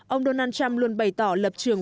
ông donald trump luôn bày tỏ lập trường